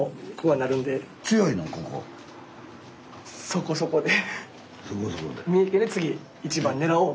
そこそこで？